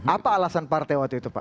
apa alasan partai waktu itu pak